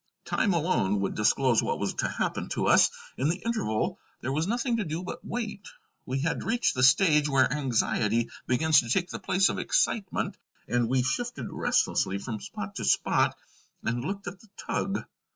Time alone would disclose what was to happen to us; in the interval there was nothing to do but wait. We had reached the stage where anxiety begins to take the place of excitement, and we shifted restlessly from spot to spot and looked at the tug.